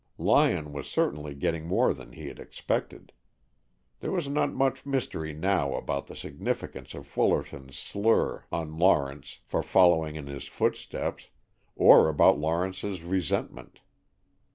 Lyon was certainly getting more than he had expected. There was not much mystery now about the significance of Fullerton's slur on Lawrence for following in his footsteps, or about Lawrence's resentment.